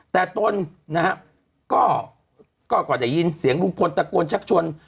แต่ต้นก็ก่อนจะยินเสียงรุงพลตะโกนชักชน